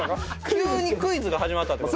急にクイズが始まったって事？